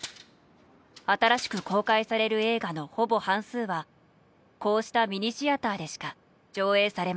新しく公開される映画のほぼ半数はこうしたミニシアターでしか上映されません。